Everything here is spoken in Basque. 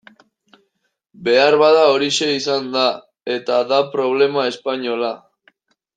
Beharbada horixe izan da eta da problema espainola.